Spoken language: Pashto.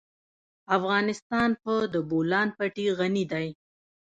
افغانستان په د بولان پټي غني دی.